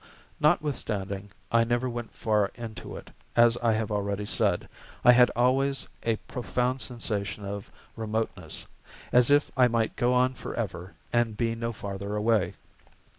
Notwithstanding I never went far into it, as I have already said, I had always a profound sensation of remoteness; as if I might go on forever, and be no farther away.